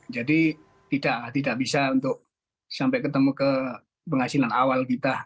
jadi tidak bisa untuk sampai ketemu ke penghasilan awal kita